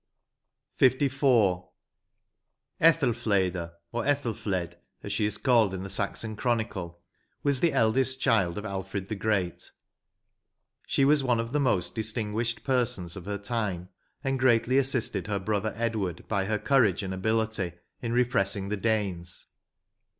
108 LIV. Ethelfleda, or Ethelfled as she is called in the Saxon Chronicle, was the eldest child of Alfied the Great; she was one of the most distinguished persons of her time, and greatly assisted her brother Edward, by her conrage and ability, in repressing the Daaes.